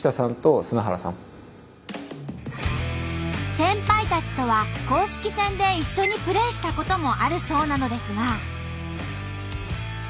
先輩たちとは公式戦で一緒にプレーしたこともあるそうなのですが。